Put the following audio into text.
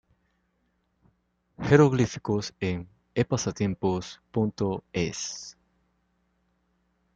Jeroglíficos en epasatiempos.es